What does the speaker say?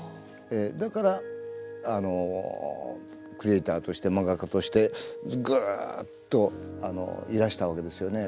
だからクリエーターとして漫画家としてぐうっといらしたわけですよね。